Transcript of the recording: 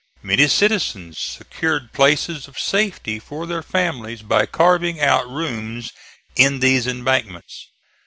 Many citizens secured places of safety for their families by carving out rooms in these embankments.